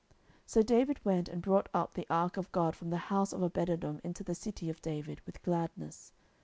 So David went and brought up the ark of God from the house of Obededom into the city of David with gladness.